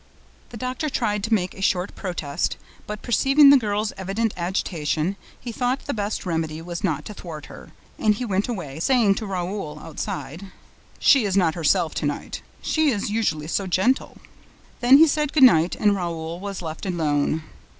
The doctor tried to make a short protest, but, perceiving the girl's evident agitation, he thought the best remedy was not to thwart her. And he went away, saying to Raoul, outside: "She is not herself to night. She is usually so gentle." Then he said good night and Raoul was left alone.